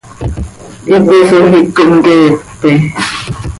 Hipi hisoj iic cohmqueepe.